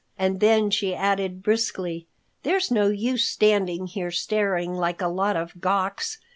And then she added briskly, "There's no use standing here staring like a lot of gawks.